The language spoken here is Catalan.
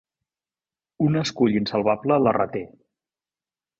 Un escull insalvable la reté.